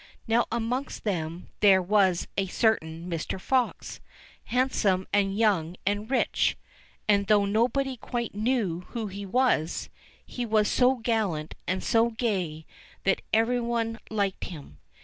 Now amongst them there was a certain Mr. Fox, hand some and young and rich ; and though nobody quite knew who he was, he was so gallant and so gay that every one liked him.